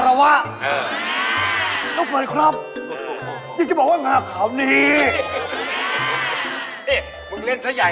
สวัสดีครับผีน้องเพลินเป้า